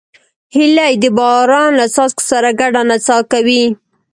هیلۍ د باران له څاڅکو سره ګډه نڅا کوي